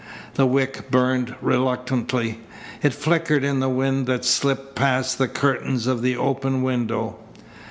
The wick burned reluctantly. It flickered in the wind that slipped past the curtain of the open window.